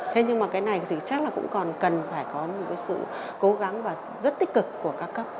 thế nhưng mà cái này thì chắc là cũng còn cần phải có một cái sự cố gắng và rất tích cực của các cấp